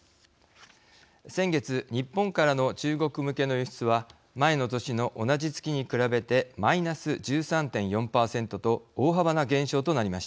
先月日本からの中国向けの輸出は前の年の同じ月に比べてマイナス１３．４％と大幅な減少となりました。